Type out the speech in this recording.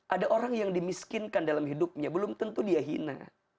ada orang yang dimiskinkan dalam hidupnya belum tentu dia hina